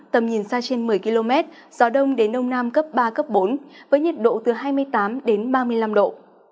tầm nhìn xa trên một mươi km gió đông đến đông nam cấp ba cấp bốn với nhiệt độ từ hai mươi tám đến ba mươi năm độ